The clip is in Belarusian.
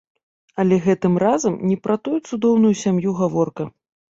Але гэтым разам не пра гэтую цудоўную сям'ю гаворка.